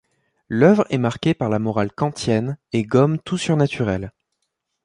L'œuvre est marquée par la morale kantienne et gomme tout surnaturel.